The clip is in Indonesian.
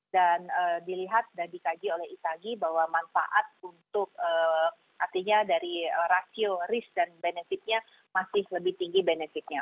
dan dilihat dan dikaji oleh itagi bahwa manfaat untuk artinya dari rasio risk dan benefitnya masih lebih tinggi benefitnya